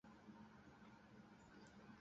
বিশ্বাস করো।